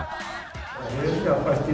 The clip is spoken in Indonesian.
akhirnya pasti taktik juga harus yang beda